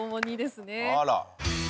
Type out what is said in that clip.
あら。